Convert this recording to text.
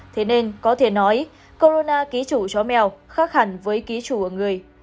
thế nên có thể nói corona ký chủ chó mèo khác hẳn với virus